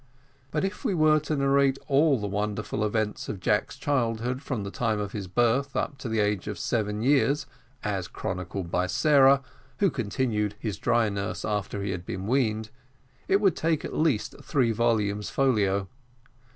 But if we were to narrate all the wonderful events of Jack's childhood from the time of his birth up to the age of seven years, as chronicled by Sarah, who continued his dry nurse after he had been weaned, it would take at least three volumes folio.